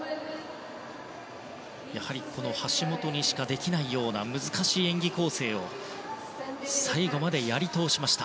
橋本にしかできないような難しい演技構成を最後まで、やり通しました。